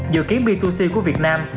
dự kiến b hai c của việt nam